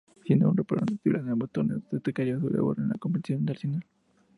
Siendo un recurrente titular en ambos torneos, destacaría su labor en la competencia internacional.